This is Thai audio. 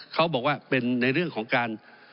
เขาบอกว่าเป็นในเรื่องของการ